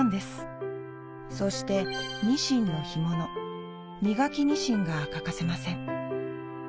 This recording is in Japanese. そしてニシンの干物身欠きニシンが欠かせません。